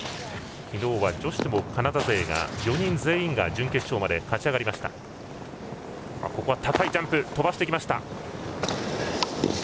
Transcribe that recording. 昨日は女子でもカナダ勢４人全員が準決勝まで勝ち上がりました。